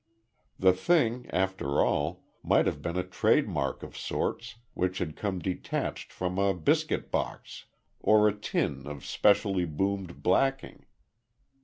The thing, after all, might have been a trade mark of sorts which had come detached from a biscuit box or a tin of specially boomed blacking.